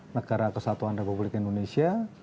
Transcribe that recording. negara kesatuan republik indonesia